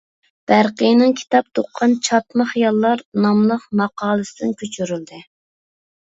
بەرقىينىڭ «كىتاب تۇغقان چاتما خىياللار» ناملىق ماقالىسىدىن كۆچۈرۈلدى.